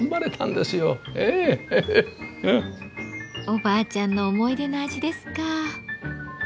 おばあちゃんの思い出の味ですか。